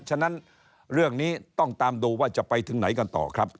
ฉะนั้นเรื่องนี้ต้องตามดูว่าจะไปถึงไหนกันต่อครับ